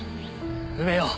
埋めよう。